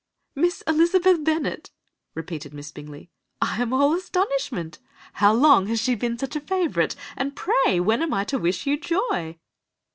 "'Miss Elizabeth Bennet!' repeated Miss Bingley, 'I am all astonishment. How long has she been such a favourite? And pray when am I to wish you joy?